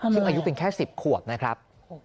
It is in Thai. ซึ่งอายุเป็นแค่๑๐ขวบนะครับ